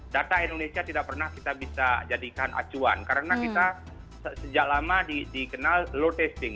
data indonesia tidak pernah kita bisa jadikan acuan karena kita sejak lama dikenal low testing